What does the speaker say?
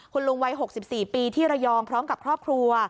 คุณลุงวัย๖๔ปีที่ระยองพร้อมกับครอบครัว